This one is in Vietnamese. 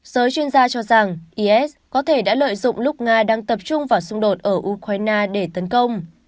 giới chuyên gia cho rằng is có thể đã lợi dụng lúc nga đang tập trung vào xung đột ở ukraine để tấn công